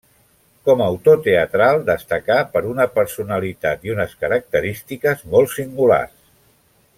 Com a autor teatral, destacà per una personalitat i unes característiques molt singulars.